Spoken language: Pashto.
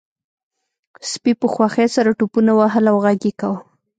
سپي په خوښۍ سره ټوپونه وهل او غږ یې کاوه